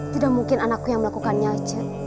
tidak mungkin anakku yang melakukannya aja